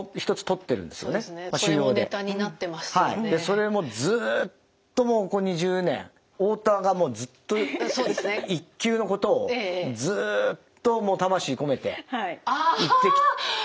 それもずっともうここ２０年太田がもうずっと「一球」のことをずっともう魂込めて言ってきたので。